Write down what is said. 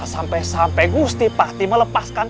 sampai sampai gusti pasti melepaskan